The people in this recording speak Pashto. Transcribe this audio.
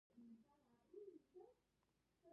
د بندي صحت به ورسره ورو ورو خرابېده.